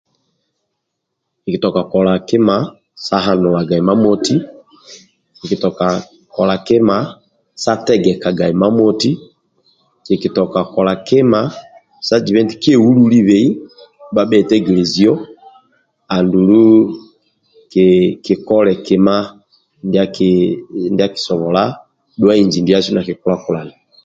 Kiki toka kola kima sa hanulaga imamoti kiki toka kola kima sa tegekaga imamoti kiki toka kola kima sa ziba nti kyehululibhei ndibabetwgeleziyo amdulu kikole kima ndia kidhuwa inji ndiasu na kikula kulana